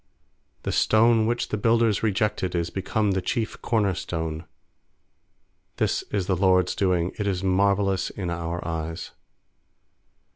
stone which the builders re jected Is become the chief corner stone. is the LORD'S doing; It is marvellous in our eyes.